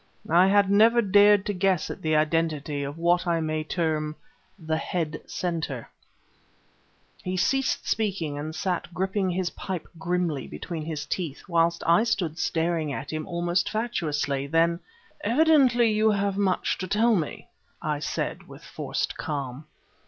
I had never dared to guess at the identity of what I may term the Head Center." He ceased speaking, and sat gripping his pipe grimly between his teeth, whilst I stood staring at him almost fatuously. Then "Evidently you have much to tell me," I said, with forced calm.